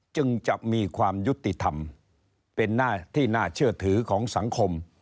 จึงจะมีความยุติธรรมเป็นหน้าที่น่าเชื่อถือของสังคม